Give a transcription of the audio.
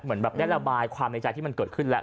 เหมือนแบบได้ระบายความในใจที่มันเกิดขึ้นแล้ว